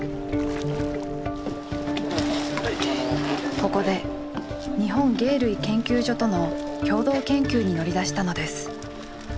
ここで日本鯨類研究所との共同研究に乗り出したのです。